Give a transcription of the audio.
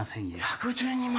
１１２万。